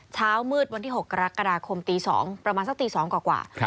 เช้ามืดวันที่๖กรกฎาคมตี๒ประมาณสักตี๒กว่า